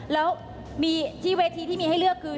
แล้วมีที่เวทีที่มีให้เลือกคือ